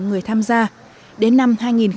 người tham gia đến năm